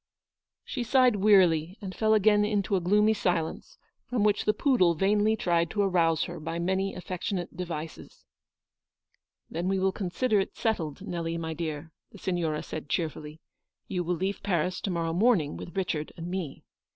n She sighed wearily, and fell again into a gloomy silence, from which the poodle vainly tried to arouse her by many affectionate devices. "Then we may consider it settled, Nelly, my dear/' the Signora said, cheerfully. " You will leave Paris to morrow morning, with Richard and me.